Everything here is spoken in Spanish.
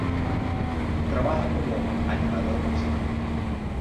Trabaja como animador músico.